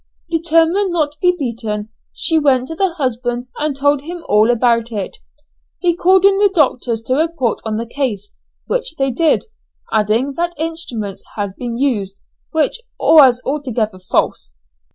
Determined not to be beaten, she went to the husband and told him all about it. He called in doctors to report on the case, which they did, adding that instruments had been used, which was altogether false.